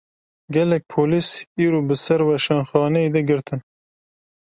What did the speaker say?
Gelek polîs, îro bi ser weşanxaneyê de girtin